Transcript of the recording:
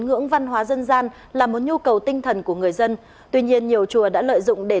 ngưỡng văn hóa dân gian là một nhu cầu tinh thần của người dân tuy nhiên nhiều chùa đã lợi dụng để